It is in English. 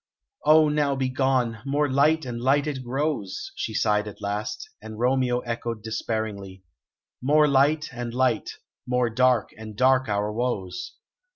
"Oh, now be gone; more light and light it grows," she sighed at last; and Romeo echoed despairingly: "More light and light; more dark and dark our woes!"